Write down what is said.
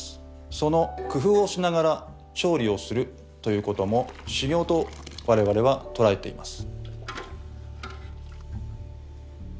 その工夫をしながら調理をするということも修行と我々は捉えています。